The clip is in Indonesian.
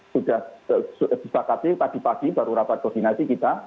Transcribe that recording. sudah disepakati tadi pagi baru rapat koordinasi kita